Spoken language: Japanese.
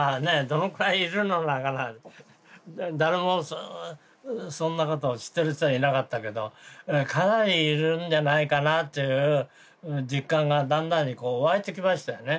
どのくらいいるのだかなんて誰もそんなことを知ってる人はいなかったけどかなりいるんじゃないかなっていう実感がだんだんにこう湧いてきましたよね